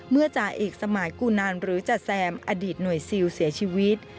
จ่าเอกสมัยกูนานหรือจ่าแซมอดีตหน่วยซิลเสียชีวิต